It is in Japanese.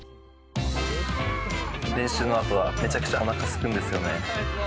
練習のあとは、めちゃくちゃおなかすくんですよね。